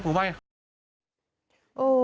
ผมก็ยกผมว่า